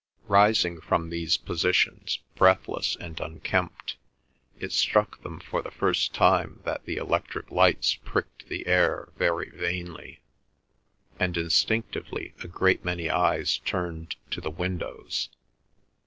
Rising from these positions, breathless and unkempt, it struck them for the first time that the electric lights pricked the air very vainly, and instinctively a great many eyes turned to the windows.